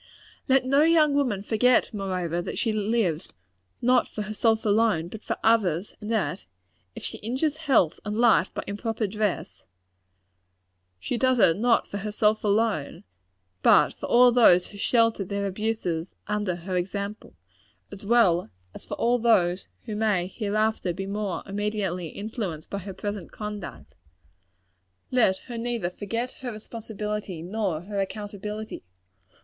Let no young woman forget, moreover, that she lives, not for herself alone, but for others; and that if she injures health and life by improper dress, she does it not for herself alone, but for all those who shelter their abuses under her example, as well as for all those who may hereafter be more immediately influenced by her present conduct. Let her neither forget her responsibility nor her accountability.